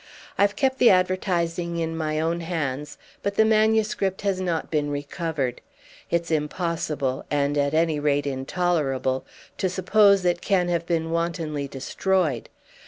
I've kept the advertising in my own hands, but the manuscript has not been recovered. It's impossible, and at any rate intolerable, to suppose it can have been wantonly destroyed.